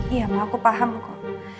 iya mau aku paham kok